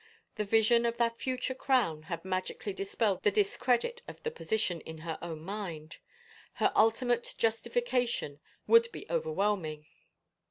The vision of that future crown had magically dispelled the discredit of the position in her own mind ; her ultimate justification would be overwhelming.